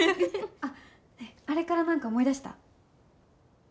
あっあれからなんか思い出した？